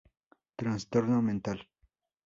Trastorno mental.